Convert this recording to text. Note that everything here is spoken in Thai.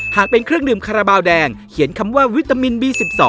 หากเป็นเครื่องดื่มคาราบาลแดงเขียนคำว่าวิตามินบี๑๒